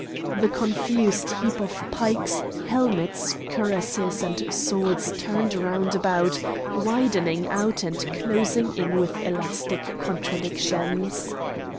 The confused heap of pikes, helmets, cuirasses and swords turned round about, widening out and closing in with elastic contractions.